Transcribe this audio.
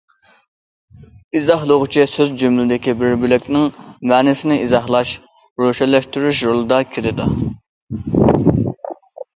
ئىزاھلىغۇچى سۆز- جۈملىدىكى بىر بۆلەكنىڭ مەنىسىنى ئىزاھلاش، روشەنلەشتۈرۈش رولىدا كېلىدۇ.